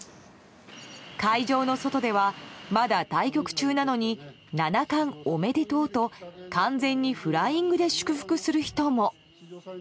会場の外では、まだ対局中なのに七冠おめでとうと完全にフライングで祝福する人も。